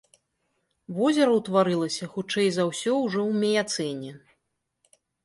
Возера ўтварылася хутчэй за ўсё ўжо ў міяцэне.